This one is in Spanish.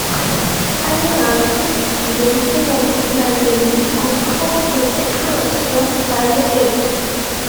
Además del tema original del disco, ofrece una versión radio-edit.